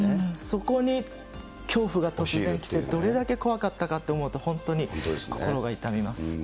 そこに恐怖が突然来て、どれだけ怖かったかって思うと、本当に心が痛みます。